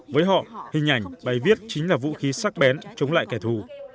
với họ hình ảnh bài viết chính là vũ khí sắc bén chống lại kẻ thù